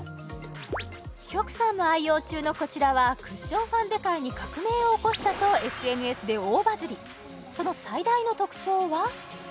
ヒョクさんも愛用中のこちらはクッションファンデ界に革命を起こしたとＳＮＳで大バズりその最大の特徴は？